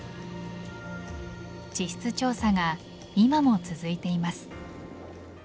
地質調査が今も続いています。